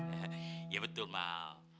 iya betul mahal